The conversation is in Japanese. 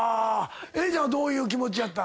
絵梨ちゃんはどういう気持ちやった？